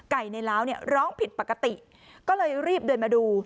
ในล้าวเนี่ยร้องผิดปกติก็เลยรีบเดินมาดู